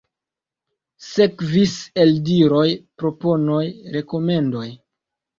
Sekvis eldiroj, proponoj, rekomendoj.